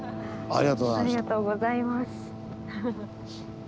ありがとうございます。